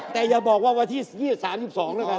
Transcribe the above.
แต่อย่าบอกว่าวันที่๒๓๒แล้วกัน